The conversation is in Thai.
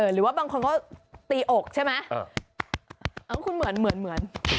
หรือว่าบางคนก็ตีอกใช่ไหมเอาคุณเหมือนเหมือน